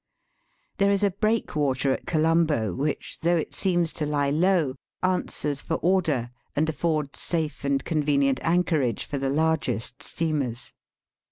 There is a breakwater at Colombo which, though it seems to lie low, answers for order and affords safe and conve nient anchorage for the largest steamers.